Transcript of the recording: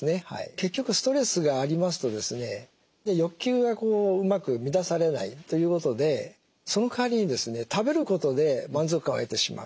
結局ストレスがありますとですね欲求がうまく満たされないということでそのかわりにですね食べることで満足感を得てしまう。